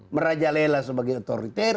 merajalela sebagai otoriter